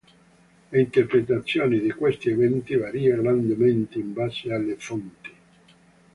L'interpretazione di questi eventi varia grandemente in base alle fonti.